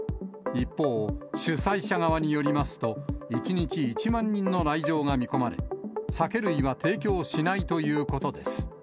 一方、主催者側によりますと、１日１万人の来場が見込まれ、酒類は提供しないということです。